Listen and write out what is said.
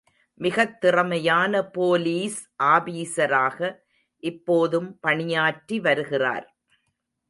மிகத் திறமையான போலீஸ் ஆபீசராக, இப்போதும் பணியாற்றி வருகிறார்.